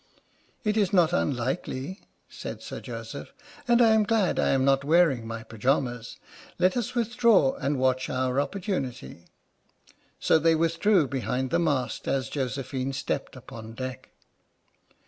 " It is not unlikely," said Sir Joseph, " and I am glad I am not wearing my pyjamas. Let us with draw and watch our opportunity." So they withdrew behind the mast, as Josephine stepped upon deck.